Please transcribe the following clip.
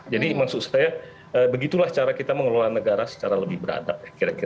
jadi maksud saya begitulah cara kita mengelola negara secara lebih beradab